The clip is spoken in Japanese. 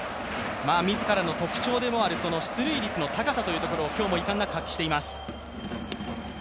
自らの特徴でもある出塁率の高さというのを今日も遺憾なく発揮しています。